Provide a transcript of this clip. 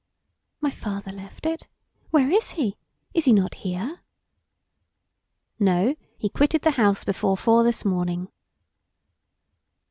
"My father left it! Where is he? Is he not here?" "No; he quitted the house before four this morning."